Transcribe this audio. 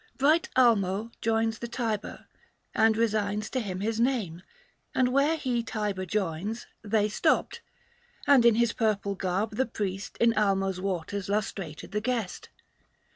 375 Bright Almo joins the Tiber, and resigns To him his name ; and where he Tiber joins, They stopped, and in his purple garb the priest In Almo's waters lustrated the guest.